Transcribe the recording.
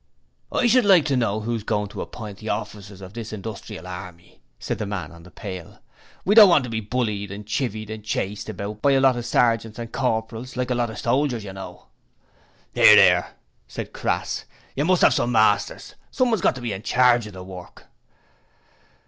'I should like to know who's goin' to appoint the hofficers of this 'ere hindustrial harmy,' said the man on the pail. 'We don't want to be bullied and chivied and chased about by a lot of sergeants and corporals like a lot of soldiers, you know.' ''Ear, 'ear,' said Crass. 'You must 'ave some masters. Someone's got to be in charge of the work.'